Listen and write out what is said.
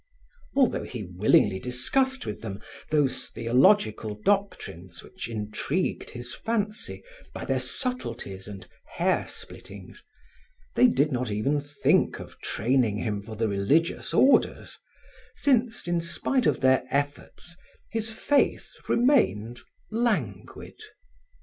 Although he willingly discussed with them those theological doctrines which intrigued his fancy by their subtleties and hair splittings, they did not even think of training him for the religious orders, since, in spite of their efforts, his faith remained languid.